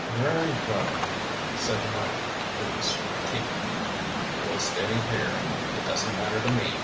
"Very well," said Meyrick through his teeth. "We'll stay here. It doesn't matter to me.